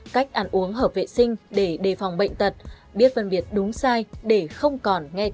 cách ăn uống hợp vệ sinh để đề phòng bệnh tật biết phân biệt đúng sai để không bị bệnh tật